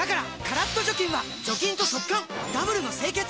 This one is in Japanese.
カラッと除菌は除菌と速乾ダブルの清潔！